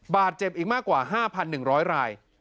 บาดเจ็บอีกมากกว่า๕๑๐๐ราย